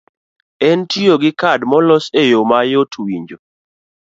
en tiyo gi kad molos e yo mayot winjo.